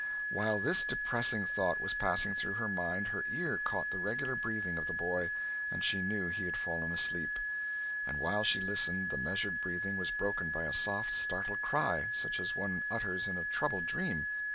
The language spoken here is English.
While this depressing thought was passing through her mind, her ear caught the regular breathing of the boy, and she knew he had fallen asleep. And while she listened, the measured breathing was broken by a soft, startled cry, such as one utters in a troubled dream.